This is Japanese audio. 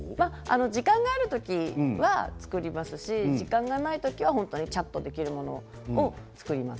時間がある時は作りますし時間がない時はちゃっとできるものを作ります。